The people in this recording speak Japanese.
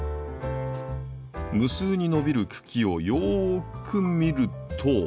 無数に伸びる茎をよく見ると。